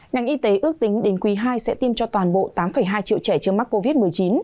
ngành y tế ước tính đến quý ii sẽ tiêm cho toàn bộ tám hai triệu trẻ chưa mắc covid một mươi chín